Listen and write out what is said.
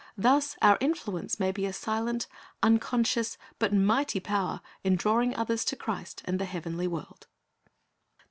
Thus our influence may be a silent, unconscious, but mighty power in drawing others to Christ and the heavenly world.